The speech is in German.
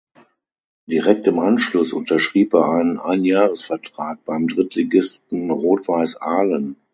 Direkt im Anschluss unterschrieb er einen Einjahresvertrag beim Drittligisten Rot Weiss Ahlen.